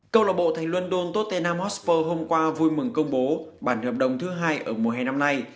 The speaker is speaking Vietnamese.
câu lạc bộ thành london totena usper hôm qua vui mừng công bố bản hợp đồng thứ hai ở mùa hè năm nay